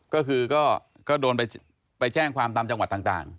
ก็คือก็โดนไปแจ้งความตามจังหวัดต่าง